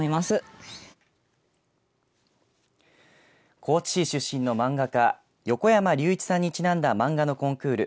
高知市出身の漫画家横山隆一さんにちなんだ漫画のコンクール